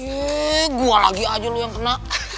yee gue lagi aja lo yang kena